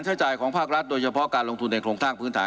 ใช้จ่ายของภาครัฐโดยเฉพาะการลงทุนในโครงสร้างพื้นฐาน